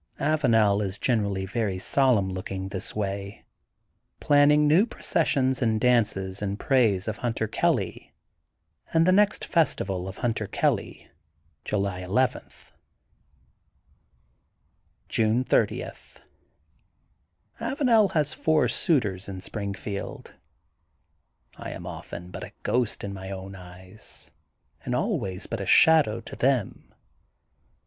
Avanel is gener ally very solemn looking this way, planning new processions and dances in praise of Hun ter Kelly and the next festival of Hunter Kelly, July 11. June 30: — ^Avanel has four suitors in Springfield. I am often but a ghost in my own eyes and always but shadow to them.